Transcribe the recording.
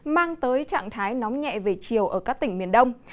mang tới trạng thái nóng nhẹ về chiều ở các tỉnh miền đông